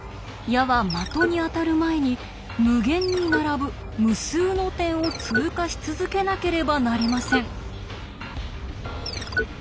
矢は的に当たる前に無限に並ぶ無数の点を通過し続けなければなりません。